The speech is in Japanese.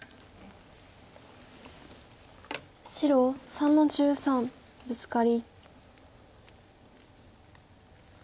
白３の十三ブツカリ。